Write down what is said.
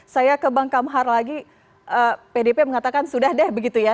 saya ke bang kamhar lagi pdp mengatakan sudah deh begitu ya